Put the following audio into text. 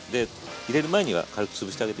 入れる前には軽くつぶしてあげて下さい。